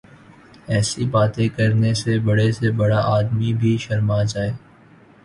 ایسی باتیں کرنے سے بڑے سے بڑا آدمی بھی شرما جائے۔